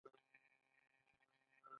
ایا زه د مخ ګونځې لرې کولی شم؟